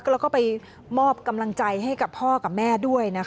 แล้วก็ไปมอบกำลังใจให้กับพ่อกับแม่ด้วยนะคะ